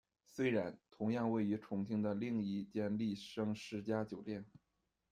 虽然，同样位于重庆的另一间丽笙世嘉酒店。